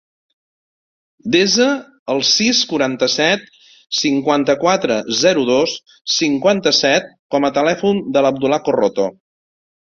Desa el sis, quaranta-set, cinquanta-quatre, zero, dos, cinquanta-set com a telèfon de l'Abdullah Corroto.